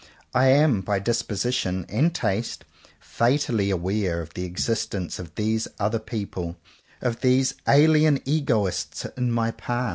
I am, by disposition and taste, fatally aware of the existence of these other people, of these alien egoists in my path.